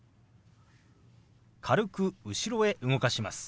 軽く後ろへ動かします。